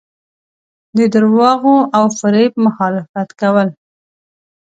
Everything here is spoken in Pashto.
د درواغو او فریب مخالفت کول.